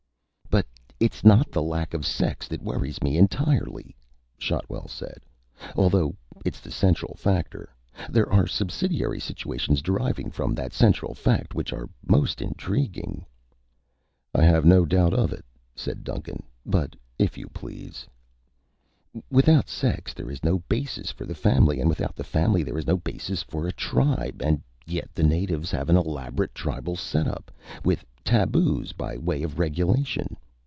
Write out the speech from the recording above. "But it's not the lack of sex that worries me entirely," Shotwell said, "although it's the central factor. There are subsidiary situations deriving from that central fact which are most intriguing." "I have no doubt of it," said Duncan, "but if you please " "Without sex, there is no basis for the family, and without the family there is no basis for a tribe, and yet the natives have an elaborate tribal setup, with taboos by way of regulation.